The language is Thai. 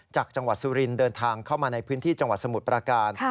จากจังหวัดสุรินเดินทางเข้ามาในพื้นที่จังหวัดสมุทรประการ